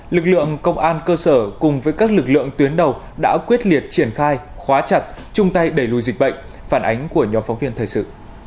lực lượng công an cơ sở cùng với các lực lượng tuyến đầu đã quyết liệt triển khai khóa chặt chung tay đẩy lùi dịch bệnh phản ánh của nhóm phóng viên thời sự